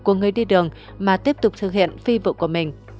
nam thanh niên đã bước đi đường mà tiếp tục thực hiện phi vụ của mình